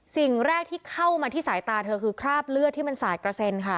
สิ่งแรกที่เข้ามาที่สายตาเธอคือคราบเลือดที่มันสายกระเซ็นค่ะ